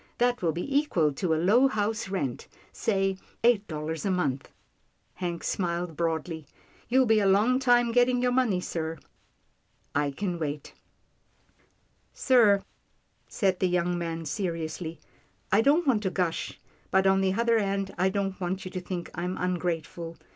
That will be equal to a low house rent — say, eight dollars a month." Hank smiled broadly. " You'll be a long time getting your money, sir.'* " I can wait." " Sir," said the young man, seriously, " I don't want to gush, but on the other hand, I don't want you to think I'm ungrateful.